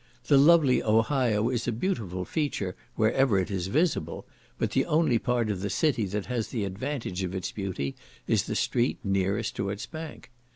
The lovely Ohio is a beautiful feature wherever it is visible, but the only part of the city that has the advantage of its beauty is the street nearest to its bank.